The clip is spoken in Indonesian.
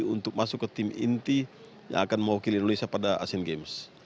untuk masuk ke tim inti yang akan mewakili indonesia pada asian games